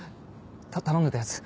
頼んでたやつ。